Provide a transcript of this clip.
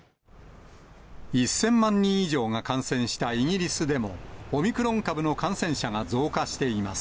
１０００万人以上が感染したイギリスでもオミクロン株の感染者が増加しています。